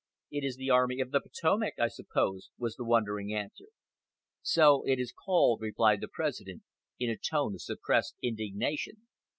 "It is the Army of the Potomac, I suppose," was the wondering answer. "So it is called," replied the President, in a tone of suppressed indignation.